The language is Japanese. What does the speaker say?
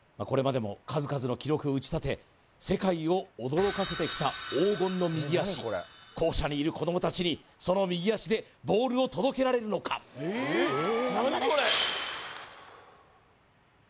これまでも数々の記録を打ち立て世界を驚かせてきた校舎にいる子どもたちにその右足でボールを届けられるのかフーッ